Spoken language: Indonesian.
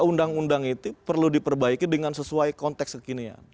undang undang itu perlu diperbaiki dengan sesuai konteks kekinian